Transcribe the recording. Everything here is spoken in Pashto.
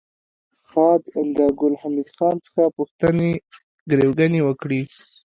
خاد د ګل حمید خان څخه پوښتنې ګروېږنې وکړې